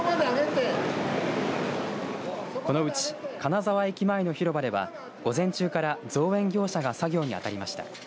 このうち、金沢駅前の広場では午前中から造園業者が作業に当たりました。